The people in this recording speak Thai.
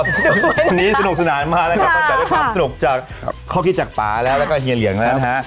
วันนี้สนุกสนานมากนะครับนอกจากได้ความสนุกจากข้อคิดจากป่าแล้วแล้วก็เฮียเหลียงแล้วนะฮะ